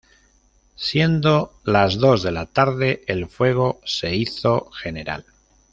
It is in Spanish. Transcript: Siendo las dos de la tarde el fuego se hizo general.